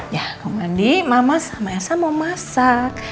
ya mau mandi mama sama esa mau masak